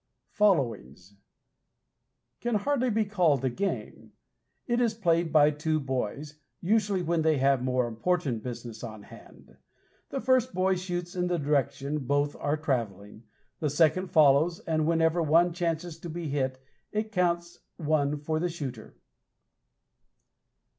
FOLLOWINGS can hardly be called a game. It is played by two boys usually when they have more important business on hand; the first boy shoots in the direction both are traveling; the second follows, and whenever one chances to be hit it counts one for the shooter.